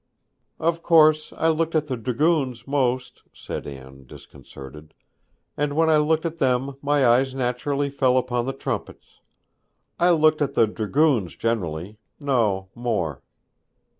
'Of course I looked at the dragoons most,' said Anne, disconcerted. 'And when I looked at them my eyes naturally fell upon the trumpets. I looked at the dragoons generally, no more.'